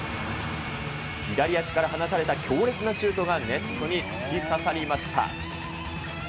左足から放たれた強烈なシュートが、ネットに突き刺さりました。